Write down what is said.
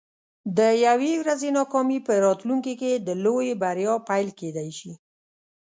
د یوې ورځې ناکامي په راتلونکي کې د لویې بریا پیل کیدی شي.